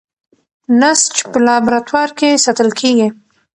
نسج په لابراتوار کې ساتل کېږي.